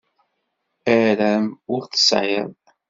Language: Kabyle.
Aram ur t-tesεiḍ.